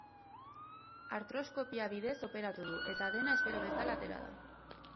Artroskopia bidez operatu du eta dena espero bezala atera da.